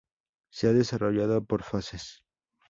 Se ha desarrollado por fases.